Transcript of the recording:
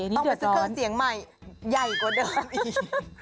ต้องไปซื้อเครื่องเสียงใหม่ใหญ่กว่าเดิมอีก